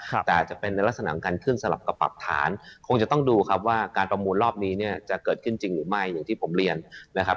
แต่อาจจะเป็นในลักษณะของการขึ้นสลับกับปรับฐานคงจะต้องดูครับว่าการประมูลรอบนี้เนี่ยจะเกิดขึ้นจริงหรือไม่อย่างที่ผมเรียนนะครับ